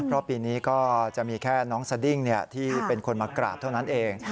เพราะปีนี้ก็จะมีแค่น้องสดิ้งที่เป็นคนมากราบเท่านั้นเอง